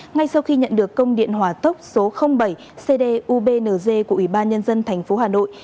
ngay sau khi nhận được công điện hỏa tốc số bảy cd ubnz của ủy ban nhân dân thành phố hà nội